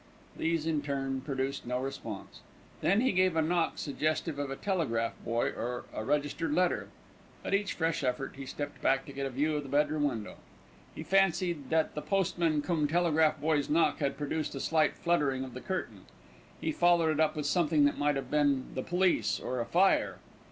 These, in turn, produced no response. Then he gave a knock suggestive of a telegraph boy, or a registered letter. At each fresh effort he stepped back to get a view of the bedroom window. He fancied that the postman cum telegraph boy's knock had produced a slight fluttering of the curtain. He followed it up with something that might have been the police, or a fire.